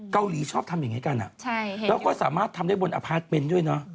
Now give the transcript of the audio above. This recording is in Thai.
เกาหลีชอบทำอยังไงกันช่ายแล้วก็สามารถทำได้บนอภารกิจจุดด้วยเนอะ